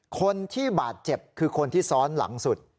คนที่บาดเจ็บคือคนที่ซ้อนหลังสุด